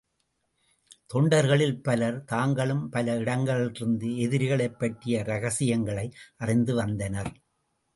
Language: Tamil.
தொண்டர்களில் பலர் தாங்களும் பல இடங்களிலிருந்து எதிரிகளைப் பற்றிய ரகசியங்களை அறிந்து வந்தனர்.